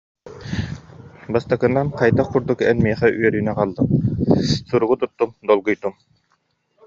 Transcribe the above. Бастакынан, хайдах курдук эн миэхэ үөрүүнү аҕаллыҥ, суругу туттум, долгуйдум